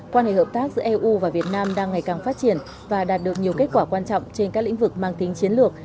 quan hệ hợp tác giữa eu và việt nam đang ngày càng phát triển và đạt được nhiều kết quả quan trọng trên các lĩnh vực mang tính chiến lược